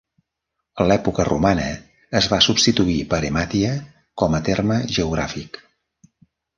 A l'època romana es va substituir per Emàtia com a terme geogràfic.